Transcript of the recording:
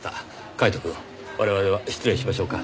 カイトくん我々は失礼しましょうか。